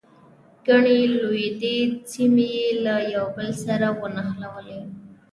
ګڼې تولیدي سیمې یې له یو بل سره ونښلولې.